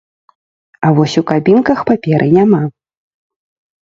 А вось у кабінках паперы няма!